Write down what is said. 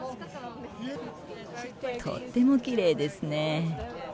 とってもきれいですね。